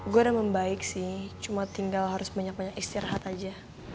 gue udah membaik sih cuma tinggal harus banyak banyak istirahat aja